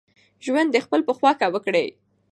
ژوند دخپل په خوښه وکړئ